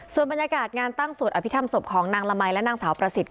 ส่วนบรรยากาศงานตั้งสวดอภิษฐรรมศพของนางละมัยและนางสาวประสิทธิ